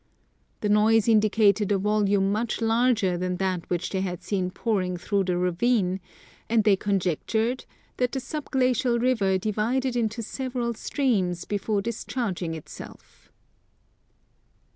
The noise indicated a volume much larger than that which they had seen pouring through the ravine, and they conjectured that the sub glacia! river divided into several streams before discharging itself.